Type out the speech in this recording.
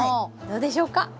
どうでしょうか？